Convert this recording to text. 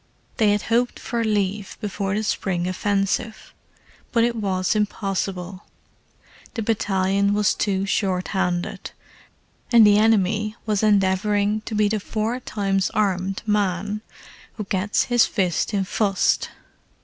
They had hoped for leave before the spring offensive, but it was impossible: the battalion was too shorthanded, and the enemy was endeavouring to be the four times armed man who "gets his fist in fust."